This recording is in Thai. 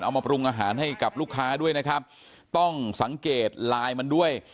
มาปรุงอาหารให้กับลูกค้าด้วยนะครับต้องสังเกตไลน์มันด้วย